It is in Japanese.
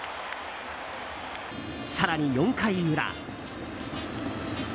更に、４回裏。